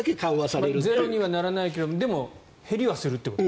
ゼロにはならないけど減りはすると。